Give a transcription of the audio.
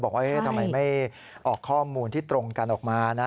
บอกว่าทำไมไม่ออกข้อมูลที่ตรงกันออกมานะ